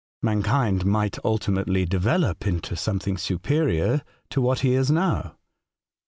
Mankind might ultimately develope into some thing superior to what he is now.